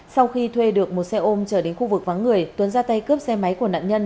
sau khi thuê được một xe ôm trở đến khu vực vắng người tuấn ra tay cướp xe máy của nạn nhân